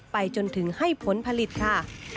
ไปจนถึงให้ผลผลิตค่ะ